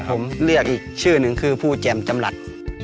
ครับผมเลือกอีกชื่อหนึ่งคือภูเจมส์จำลัด